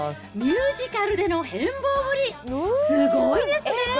ミュージカルでの変貌ぶり、すごいですね。